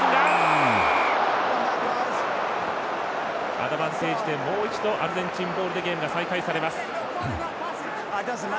アドバンテージでもう一度、アルゼンチンボールでゲームが再開されます。